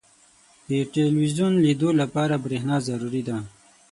• د ټلویزیون لیدو لپاره برېښنا ضروري ده.